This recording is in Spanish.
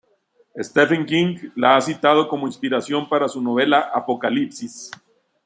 Stephen King la ha citado como inspiración para su novela "Apocalipsis".